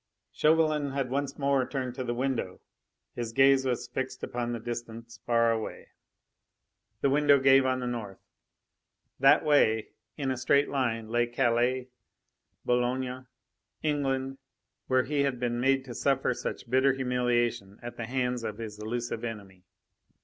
Chauvelin had once more turned to the window; his gaze was fixed upon the distance far away. The window gave on the North. That way, in a straight line, lay Calais, Boulogne, England where he had been made to suffer such bitter humiliation at the hands of his elusive enemy.